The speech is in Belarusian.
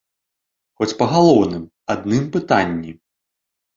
Хоць па галоўным, адным пытанні!